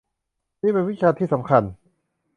นี่เป็นวิชาที่สำคัญ